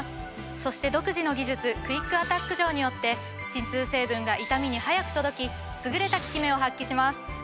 そして独自の技術クイックアタック錠によって鎮痛成分が痛みに速く届き優れた効き目を発揮します。